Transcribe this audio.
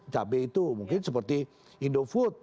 cabai itu mungkin seperti indofood